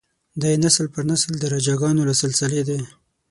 دی نسل پر نسل د راجه ګانو له سلسلې دی.